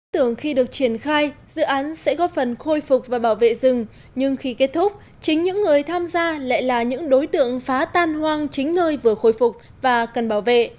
tưởng khi được triển khai dự án sẽ góp phần khôi phục và bảo vệ rừng nhưng khi kết thúc chính những người tham gia lại là những đối tượng phá tan hoang chính nơi vừa khôi phục và cần bảo vệ